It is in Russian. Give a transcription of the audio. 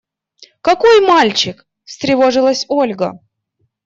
– Какой мальчик? – встревожилась Ольга.